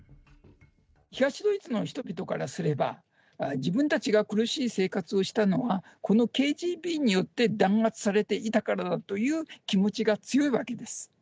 東ドイツの人々からすれば、自分たちが苦しい生活をしたのは、このＫＧＢによって弾圧されていたからだという気持ちが強いわけです。